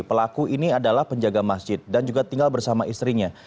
pelaku ini adalah penjaga masjid dan juga tinggal bersama istrinya